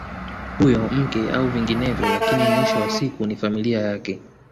Huyo mke au vinginevyo lakini mwisho wa siku ni familia yake